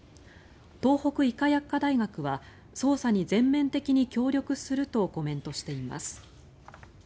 東北医科薬科大学は捜査に全面的に協力するとコメントしています。